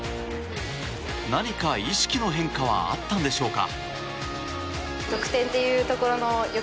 何か意識の変化はあったんでしょうか。